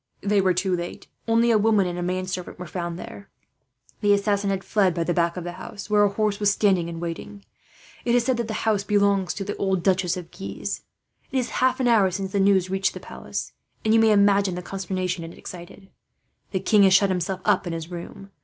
"They were too late. Only a woman and a manservant were found there. The assassin had fled by the back of the house, where a horse was standing in waiting. It is said that the house belongs to the old Duchess of Guise. "It is half an hour since the news reached the palace, and you may imagine the consternation it excited. The king has shut himself up in his room.